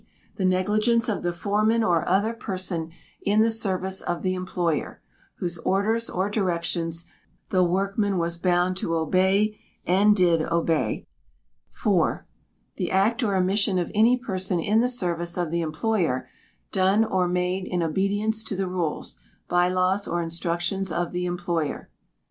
The negligence of the foreman or other person in the service of the employer, whose orders or directions the workman was bound to obey and did obey. iv. The act or omission of any person in the service of the employer done or made in obedience to the rules, bye laws, or instructions of the employer.